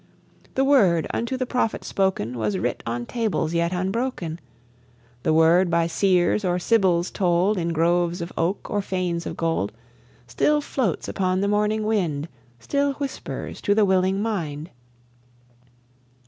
The word unto the prophet spoken Was writ on tables yet unbroken; The word by seers or sibyls told, In groves of oak, or fanes of gold. Still floats upon the morning wind, Still whispers to the willing mind.